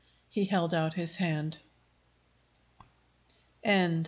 He held out his hand.